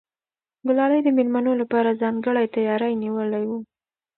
ګلالۍ د مېلمنو لپاره ځانګړی تیاری نیولی و.